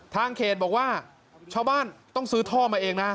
ทางเขตบอกว่าชาวบ้านต้องซื้อท่อมาเองนะ